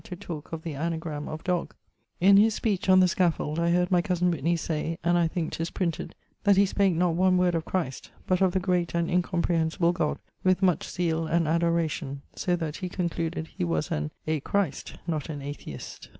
to talke of the anagramme of Dog.' In his speech on the scaffold, I heard my cosen Whitney say (and I thinke 'tis printed) that he spake not one word of Christ, but of the great and incomprehensible God, with much zeale and adoration, so that he concluded he was an a christ, not an atheist.